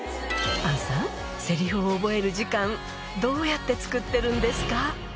杏さん、せりふを覚える時間、どうやって作ってるんですか？